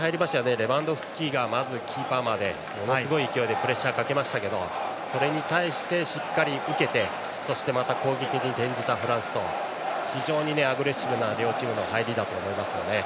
レバンドフスキがまずキーパーまでものすごい勢いでプレッシャーをかけましたがそれに対してしっかり受けて、そしてまた攻撃に転じたフランスと非常にアグレッシブな両チームの入りだと思います。